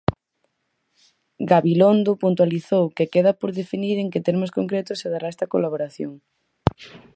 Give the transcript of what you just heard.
Gabilondo puntualizou que "queda por definir en que termos concretos se dará esta colaboración".